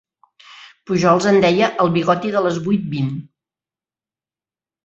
Pujols en deia el bigoti de les vuit vint.